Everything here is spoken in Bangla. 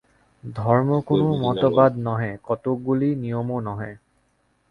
ধর্ম কোন মতবাদ নহে, কতকগুলি নিয়মও নহে।